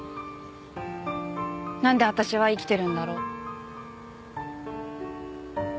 なんで私は生きてるんだろう。